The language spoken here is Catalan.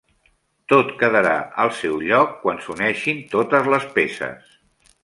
Tot quedarà al seu lloc quan s'uneixin totes les peces.